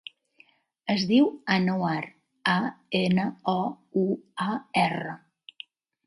Es diu Anouar: a, ena, o, u, a, erra.